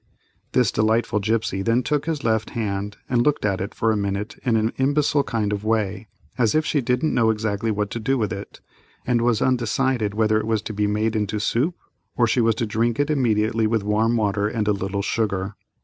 This delightful gipsy then took his left hand and looked at it for a minute in an imbecile kind of way, as if she didn't know exactly what to do with it, and was undecided whether it was to be made into soup, or she was to drink it immediately with warm water and a little sugar.